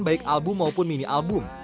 baik album maupun mini album